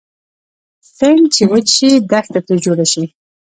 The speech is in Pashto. سیند چې وچ شي دښته تري جوړه شي